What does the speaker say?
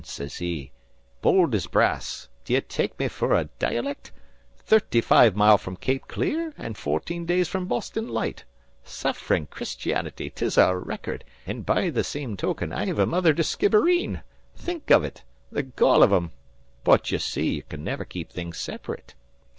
sez he, bould as brass. 'D'ye take me fer a dialect? Thirty five mile from Cape Clear, an' fourteen days from Boston Light. Sufferin' Christianity, 'tis a record, an' by the same token I've a mother to Skibbereen!' Think av ut! The gall av um! But ye see he could niver keep things sep'rate.